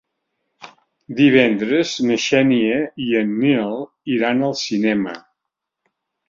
Divendres na Xènia i en Nil iran al cinema.